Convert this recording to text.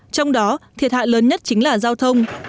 trong đó thiệt hại lớn nhất chính là giao thông